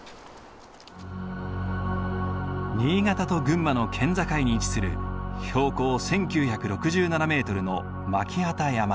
新潟と群馬の県境に位置する標高１，９６７メートルの巻機山。